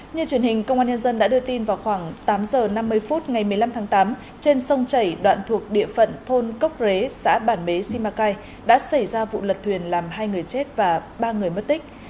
như truyền hình công an nhân dân đã đưa tin vào khoảng tám h năm mươi phút ngày một mươi năm tháng tám trên sông chảy đoạn thuộc địa phận thôn cốc rế xã bản bế simacai đã xảy ra vụ lật thuyền làm hai người chết và ba người mất tích